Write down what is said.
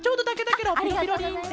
「ピロピロリン」って。